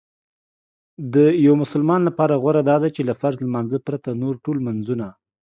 یو مسلمان لپاره غوره داده چې له فرض لمانځه پرته نور ټول لمنځونه